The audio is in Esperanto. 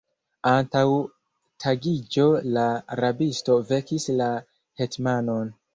Antaŭ tagiĝo la rabisto vekis la hetmanon.